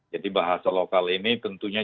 jadi bahasa lokal ini tentunya